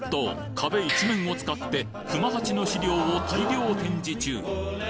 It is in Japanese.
壁一面を使って熊八の資料を大量展示中！